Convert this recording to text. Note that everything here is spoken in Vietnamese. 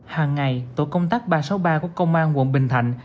hàng ngày tổ công tác ba trăm sáu mươi ba của công an quận bình thạnh